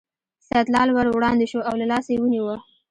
سیدلال ور وړاندې شو او له لاسه یې ونیو.